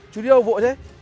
chú đi đâu vội thế